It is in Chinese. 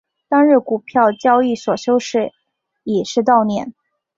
当日股票交易所休市以示悼念。